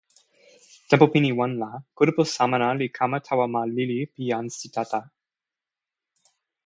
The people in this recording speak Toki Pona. tenpo pini wan la kulupu Samana li kama tawa ma lili pi jan Sitata.